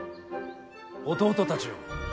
弟たちよ